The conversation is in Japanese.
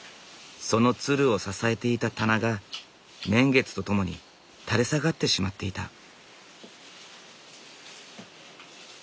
そのつるを支えていた棚が年月とともに垂れ下がってしまっていた。